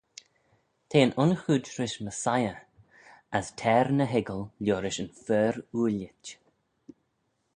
T'eh yn un chooid rish Messiah, as t'er ny hoiggal liorish, yn fer-ooillit.